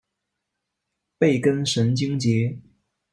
背根神经节。